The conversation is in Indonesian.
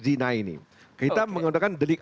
zina ini kita menggunakan delik